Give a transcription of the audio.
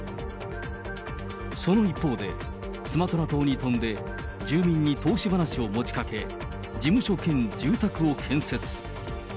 その一方で、スマトラ島に飛んで、住民に投資話を持ちかけ、事務所兼住宅を建設。